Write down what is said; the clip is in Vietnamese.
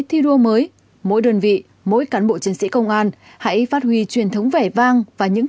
thi đua mới mỗi đơn vị mỗi cán bộ chiến sĩ công an hãy phát huy truyền thống vẻ vang và những